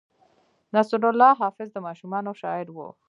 نصرالله حافظ د ماشومانو شاعر و.